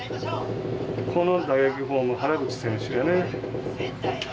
この打撃フォーム原口選手やね。